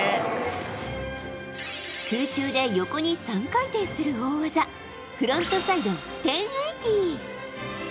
空中で横に３回転する大技フロントサイド１０８０。